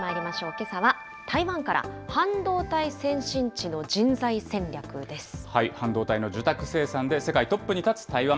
けさは台湾から、半導体の受託生産で世界トップに立つ台湾。